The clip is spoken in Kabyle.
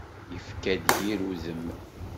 Yefka-d yir udem.